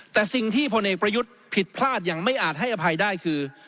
แต่สิ่งที่พลเอกประยุทธ์ผิดพลาดอย่างไม่อาจให้อภัยได้คือ